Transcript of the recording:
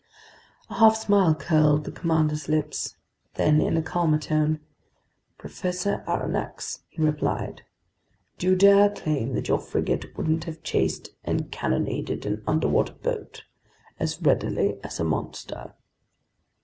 A half smile curled the commander's lips; then, in a calmer tone: "Professor Aronnax," he replied, "do you dare claim that your frigate wouldn't have chased and cannonaded an underwater boat as readily as a monster?"